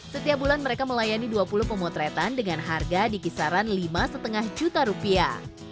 setiap bulan mereka melayani dua puluh pemotretan dengan harga di kisaran lima lima juta rupiah